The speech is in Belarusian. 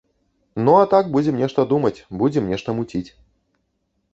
Ну, а так будзем нешта думаць, будзем нешта муціць.